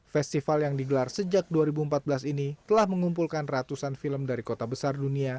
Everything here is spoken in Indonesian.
festival yang digelar sejak dua ribu empat belas ini telah mengumpulkan ratusan film dari kota besar dunia